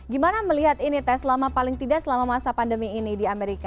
gimana melihat ini teh selama paling tidak selama masa pandemi ini di amerika